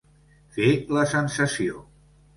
Fer la sensació.